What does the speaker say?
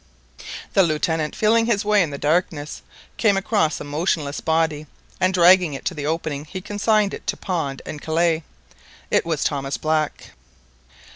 The Lieutenant, feeling his way in the darkness, came across a motionless body, and dragging it to the opening he consigned it to Pond and Kellet. It was Thomas Black.